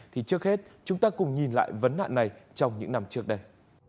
thì trước hết chúng ta cùng nhìn lại vấn nạn này trong những năm trước đây